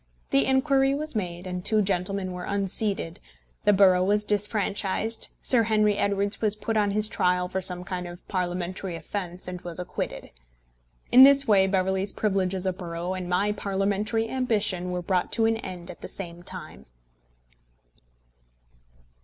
The inquiry was made, the two gentlemen were unseated, the borough was disfranchised, Sir Henry Edwards was put on his trial for some kind of Parliamentary offence and was acquitted. In this way Beverley's privilege as a borough and my Parliamentary ambition were brought to an end at the same time.